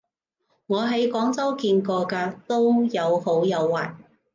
我喺廣州見過嘅都有好有壞